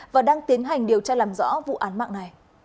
và đang tiến hành điều tra làm rõ vụ án mạng này